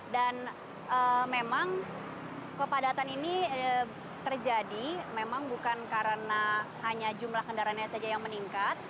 dan memang kepadatan ini terjadi memang bukan karena hanya jumlah kendaraannya saja yang meningkat